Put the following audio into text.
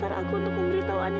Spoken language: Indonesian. atau kamu mau istirahat lagi